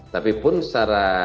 tapi pun secara